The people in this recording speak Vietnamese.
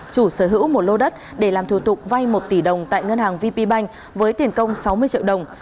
chủ sở hữu một lô đất để làm thủ tục vay một tỷ đồng tại ngân hàng vp bank với tiền công sáu mươi triệu đồng